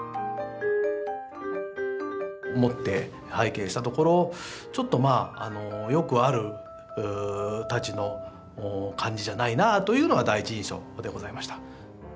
持って拝見したところちょっとまあよくある太刀の感じじゃないなというのが第一印象でございました。